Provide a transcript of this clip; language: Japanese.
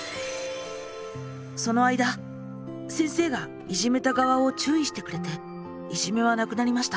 その間先生がイジメた側を注意してくれてイジメはなくなりました。